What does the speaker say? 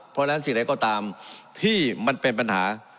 เพราะฉะนั้นสิ่งใดก็ตามที่มันเป็นปัญหา